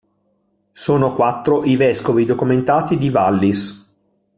Sono quattro i vescovi documentati di Vallis.